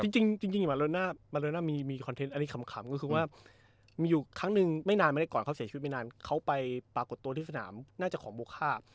จริงมาโลน่ามีคำถามคลัมคือว่าไม่นานก่อนเขาไปปรากฏตัวที่สนามน่าจะของโบค่า